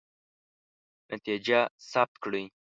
نتیجه ثبت کړئ.